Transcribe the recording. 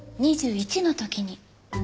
２１の時に。